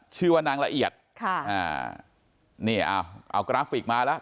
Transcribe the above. ชื่อน้องละเอียดค่ะนี่อะเอากราฟฟิกมาแล้ว